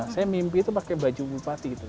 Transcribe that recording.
saya mimpi itu pakai baju bupati gitu